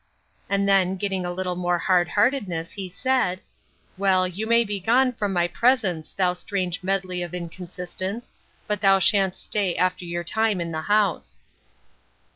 —And then, getting a little more hard heartedness, he said, Well, you may be gone from my presence, thou strange medley of inconsistence! but you shan't stay after your time in the house.